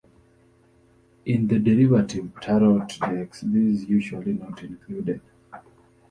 In the derivative Tarot decks this is usually not included.